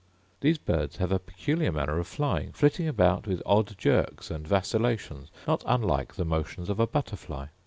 These birds have a peculiar manner of flying; flitting about with odd jerks, and vacillations, not unlike the motions of a butterfly.